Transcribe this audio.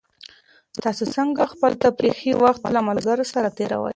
تاسو څنګه خپل تفریحي وخت له ملګرو سره تېروئ؟